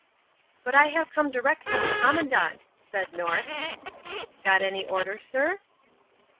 "But I have come direct from the Commandant," said North. "Got any order, sir?"